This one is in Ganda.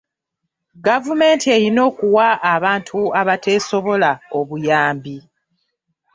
Gavumenti erina okuwa abantu abateesobola obuyambi.